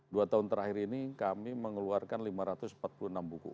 dua tahun terakhir ini kami mengeluarkan lima ratus empat puluh enam buku